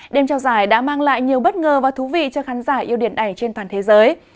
đêm trao giải đã mang lại nhiều bất ngờ và thú vị cho khán giả yêu điện ảnh trên toàn thế giới